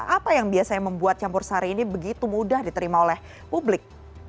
apa yang biasanya membuat campur sari ini begitu mudah diterima oleh publik